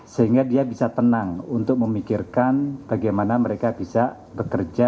sehingga dia bisa tenang untuk memikirkan bagaimana mereka bisa bekerja